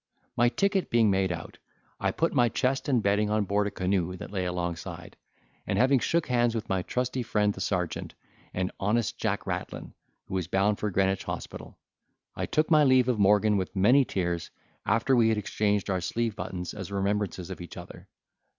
My ticket being made out, I put my chest and bedding on board a canoe that lay alongside, and, having shook hands with my trusty friend the sergeant, and honest Jack Rattlin, who was bound for Greenwich Hospital, I took my leave of Morgan with many tears, after we had exchanged our sleeve buttons as remembrances of each other.